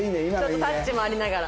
ちょっとタッチもありながら。